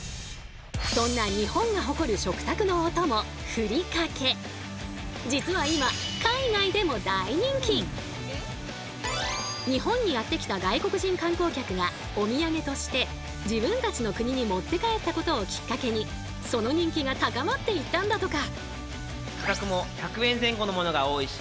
そんな実は今日本にやって来た外国人観光客がおみやげとして自分たちの国に持って帰ったことをきっかけにその人気が高まっていったんだとか。